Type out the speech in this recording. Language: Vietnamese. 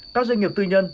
các doanh nghiệp tư nhân